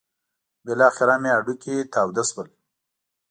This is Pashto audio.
بالاخره مې هډوکي تود شول.